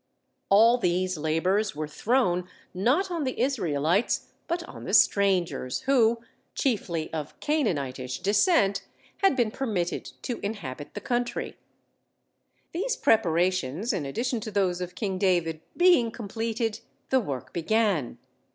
All these labors were thrown, not on the Israelites, but on the strangers who, chiefly of Canaanitish descent, had been permitted to inhabit the country. These preparations, in addition to those of King David, being completed, the work began.